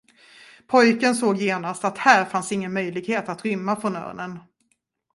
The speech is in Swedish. Pojken såg genast, att här fanns ingen möjlighet att rymma från örnen.